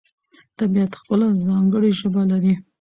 طبیعت خپله ځانګړې ژبه لري.